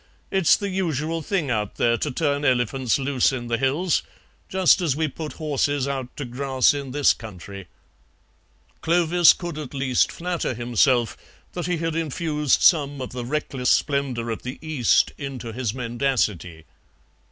It's the usual thing out there to turn elephants loose in the hills, just as we put horses out to grass in this country." Clovis could at least flatter himself that he had infused some of the reckless splendour of the East into his mendacity.